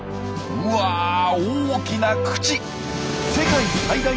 うわ大きな口！